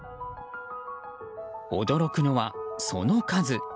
驚くのは、その数。